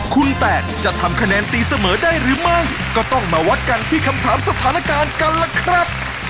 คุณแตนจะทำคะแนนตีเสมอได้หรือไม่ก็ต้องมาวัดกันที่คำถามสถานการณ์กันล่ะครับ